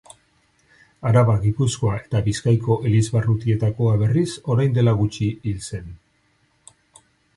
Araba, Gipuzkoa eta Bizkaiko elizbarrutietakoa, berriz, orain gutxi hil zen.